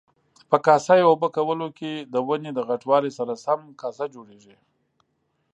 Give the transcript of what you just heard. په کاسه یي اوبه کولو کې د ونې د غټوالي سره سم کاسه جوړیږي.